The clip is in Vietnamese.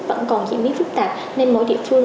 vẫn còn diễn biến phức tạp nên mỗi địa phương